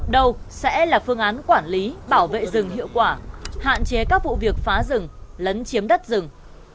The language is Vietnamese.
đâu sẽ là phương án quản lý bảo vệ rừng hiệu quả hạn chế các vụ việc phá rừng lấn chiếm đất rừng